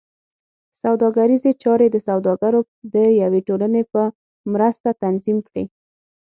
سوداګریزې چارې د سوداګرو د یوې ټولنې په مرسته تنظیم کړې.